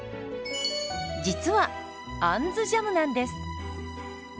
実は「あんずジャム」なんです。